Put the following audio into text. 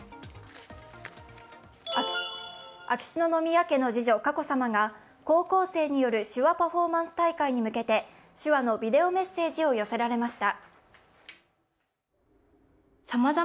秋篠宮家の次女、佳子さまが高校生による手話パフォーマンス大会に向けて手話のビデオメッセージを寄せられました。